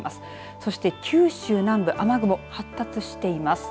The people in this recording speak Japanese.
そして、九州南部雨雲、発達しています。